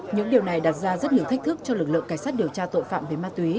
những điều này đặt ra rất nhiều thách thức cho lực lượng cảnh sát điều tra tội phạm về ma túy